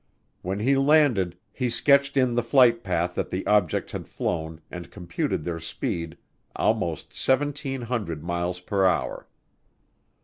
When he landed he sketched in the flight path that the objects had flown and computed their speed, almost 1,700 miles per hour.